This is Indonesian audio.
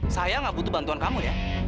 sayang aku butuh bantuan kamu ya